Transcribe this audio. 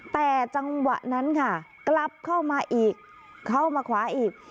แต่จังหวะนั้นค่ะกลับเข้ามาอีกเข้ามาขวาอีก